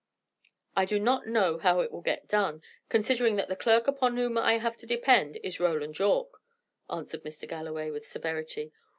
"I do not know how it will get done, considering that the clerk upon whom I have to depend is Roland Yorke," answered Mr. Galloway, with severity.